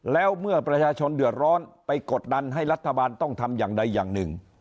แล้วเมื่อประชาชนเดือดร้อนไปกดดันให้รัฐบาลต้องทำอย่างใดอย่างหนึ่ง